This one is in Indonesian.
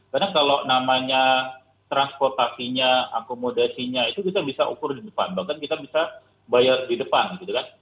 karena kalau namanya transportasinya akomodasinya itu kita bisa ukur di depan bahkan kita bisa bayar di depan gitu kan